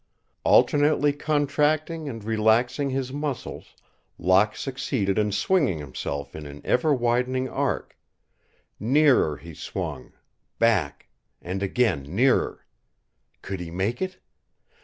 Alternately contracting and relaxing his muscles, Locke succeeded in swinging himself in an ever widening arc. Nearer he swung back and again nearer. Could he make it?